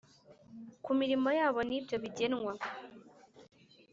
Ku mirimo yabo nibyo bijyenwa.